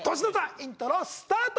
イントロスタート